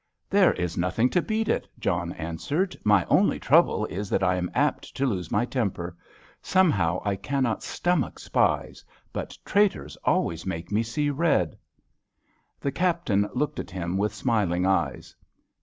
"There is nothing to beat it," John answered. "My only trouble is that I am apt to lose my temper. Somehow I cannot stomach spies, but traitors always make me see red." The Captain looked at him with smiling eyes.